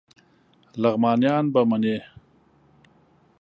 لغمانیان به منی